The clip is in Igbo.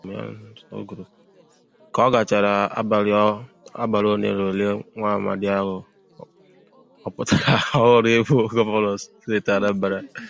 Ka ọ gachaara abalịa olenaole nwa amadi ahụ a họpụtara ọhụrụ ịbụ gọvanọ steeti Anambra